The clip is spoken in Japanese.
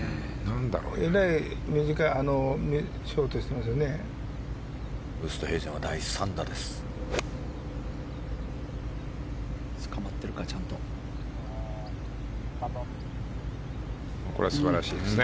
えらい短いショートしてますよね。